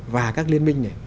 và các liên minh này